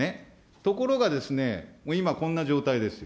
ところがですね、今、こんな状態ですよ。